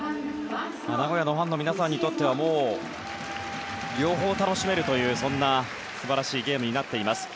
名古屋のファンの皆さんにとっては両方楽しめるというそんな素晴らしいゲームになっています。